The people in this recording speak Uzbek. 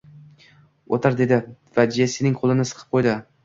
O`tir, dedi va Jessining qo`lini qisib qo`ydi